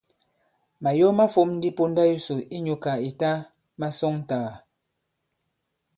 Màyo ma fōm ndi ponda yisò inyū kà ìta masɔŋtàgà.